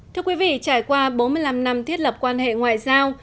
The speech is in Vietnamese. thưa quý vị trải qua bốn mươi năm năm thiết lập quan hệ ngoại giao